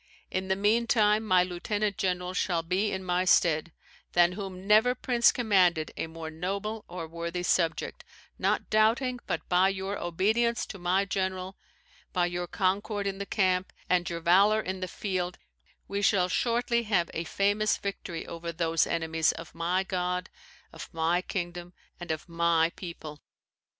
In the meantime, my lieutenant general shall be in my stead, than whom never prince commanded a more noble or worthy subject, not doubting but by your obedience to my general, by your concord in the camp, and your valour in the field, we shall shortly have a famous victory over those enemies of my God, of my kingdom, and of my people."